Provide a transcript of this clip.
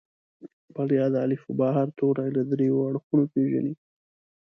بريا د الفبا هر توری له دريو اړخونو پېژني.